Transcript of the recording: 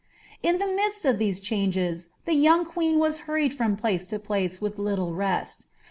In the midst of these changes, the young queen was hurried from plore to place witli litile resl.